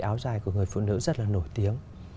áo dài của người phụ nữ rất là nổi tiếng